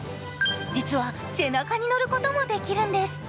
実は背中に乗ることもできるんです。